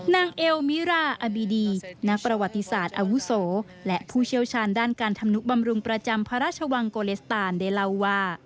เอลมิราอบีดีนักประวัติศาสตร์อาวุโสและผู้เชี่ยวชาญด้านการทำนุบำรุงประจำพระราชวังโกเลสตานได้เล่าว่า